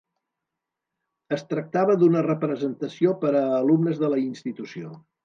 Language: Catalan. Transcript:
Es tractava d'una representació per a alumnes de la institució.